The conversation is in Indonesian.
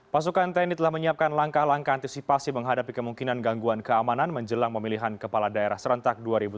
pasukan tni telah menyiapkan langkah langkah antisipasi menghadapi kemungkinan gangguan keamanan menjelang pemilihan kepala daerah serentak dua ribu tujuh belas